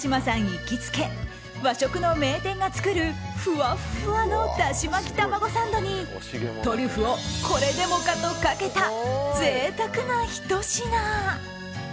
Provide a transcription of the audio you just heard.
行きつけ和食の名店が作るふわふわのだし巻きタマゴサンドにトリュフをこれでもかとかけた贅沢なひと品。